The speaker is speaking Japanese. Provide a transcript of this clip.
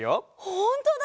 ほんとだ！